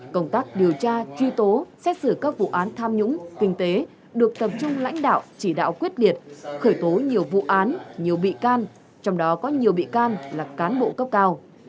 công tác điều tra truy tố xét xử các vụ án tham nhũng kinh tế được tập trung lãnh đạo chỉ đạo quyết liệt khởi tố nhiều vụ án nhiều bị can trong đó có nhiều bị can là cán bộ cấp cao